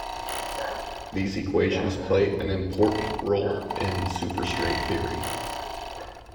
These equations play an important role in superstring theory.